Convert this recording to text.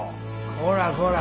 こらこら